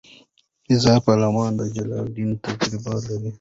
رضا پهلوي د جلاوطنۍ تجربه لري.